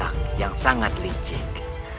aku hanya dia bahkan